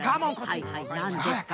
はいはいなんですか？